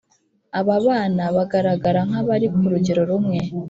Aba bana bagaragara nk’abari ku rugero rumwe